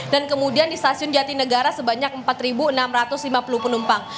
dan kemudian di stasiun jatid negara sebanyak empat enam ratus lima puluh penumpang